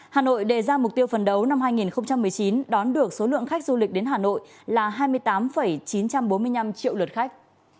hà nội đề ra mục tiêu phần đấu năm hai nghìn một mươi chín đón được số lượng khách du lịch đến hà nội là hai mươi tám chín trăm bốn mươi năm triệu lượt khách